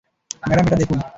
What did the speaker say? Madam, এটা দেখুন।